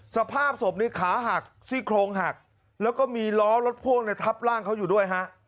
สภาพศพนี้ขาหักซี่โครงหักแล้วก็มีล้อรถพ่วงในทับร่างเขาอยู่ด้วยฮะ